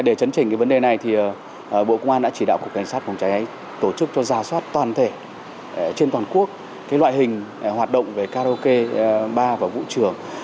để chấn trình cái vấn đề này thì bộ công an đã chỉ đạo cục cảnh sát phòng cháy ấy tổ chức cho giả soát toàn thể trên toàn quốc cái loại hình hoạt động về karaoke bar và vũ trường